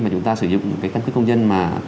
mà chúng ta sử dụng cái căn cức công dân mà